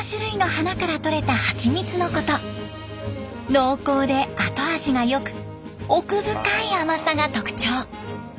濃厚で後味が良く奥深い甘さが特徴。